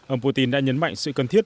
ông putin đã nhấn mạnh sự cần thiết